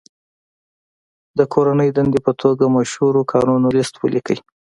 د کورنۍ دندې په توګه مشهورو کارونو لست ولیکئ.